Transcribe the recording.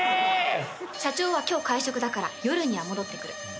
社長は今日会食だから夜には戻ってくる。